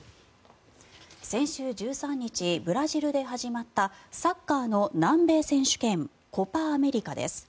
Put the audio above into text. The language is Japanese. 先週１３日、ブラジルで始まったサッカーの南米選手権コパ・アメリカです。